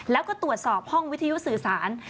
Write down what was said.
แล้วก็ตรวจสอบห้องวิทยุสื่อสาร